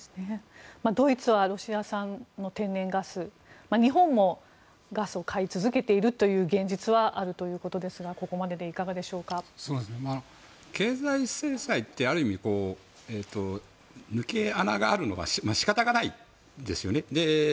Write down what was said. ドイツはロシア産の天然ガスで日本もガスを買い続けているという現実はあるということですが経済制裁ってある意味、抜け穴があるのが仕方がないですよね。